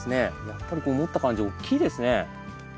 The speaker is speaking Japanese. やっぱりこう持った感じ大きいですね。